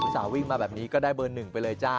สาววิ่งมาแบบนี้ก็ได้เบอร์๑ไปเลยจ้า